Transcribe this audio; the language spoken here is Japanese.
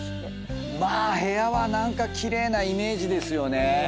まあ部屋は何か奇麗なイメージですよね。